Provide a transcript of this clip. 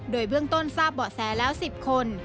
โดยเบื้องต้นทราบเบาะแสแล้ว๑๐คน